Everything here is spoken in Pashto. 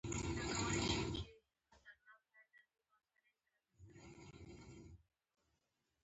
ما وویل: والنتیني ته باید کوم تیاری ونیول شي؟